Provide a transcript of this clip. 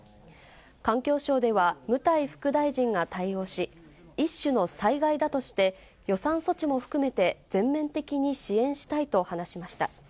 環境省では、務台副大臣が対応し、一種の災害だとして、予算措置も含めて全面的に支援したいと話しました。